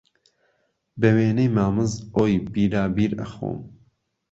به وێنهی مامز، ئۆی، بیرابیر ئهخۆم